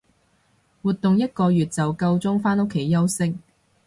活動一個月就夠鐘返屋企休息